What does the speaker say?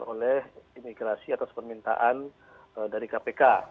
oleh imigrasi atas permintaan dari kpk